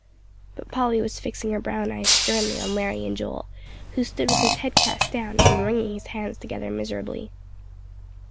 But Polly was fixing her brown eyes sternly on Larry and Joel, who stood with his head cast down, and wringing his hands together miserably.